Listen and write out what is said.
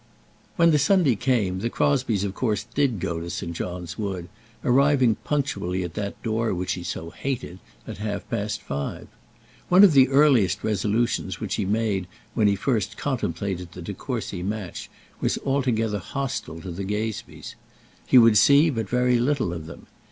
When the Sunday came the Crosbies of course did go to St. John's Wood, arriving punctually at that door which he so hated at half past five. One of the earliest resolutions which he made when he first contemplated the De Courcy match, was altogether hostile to the Gazebees. He would see but very little of them.